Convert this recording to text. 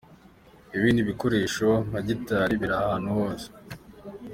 Ibindi bikoresho nka gitari biri ahantu hose.